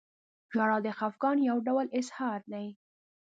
• ژړا د خفګان یو ډول اظهار دی.